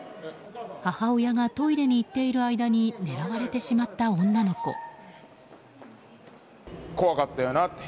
母親がトイレに行っている間に狙われてしまった女の子。